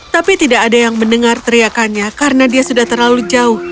tapi tidak ada yang mendengar teriakannya karena dia sudah terlalu jauh